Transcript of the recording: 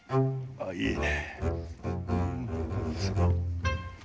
あっいいね。